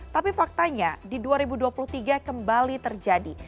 tapi faktanya di dua ribu dua puluh tiga kembali terjadi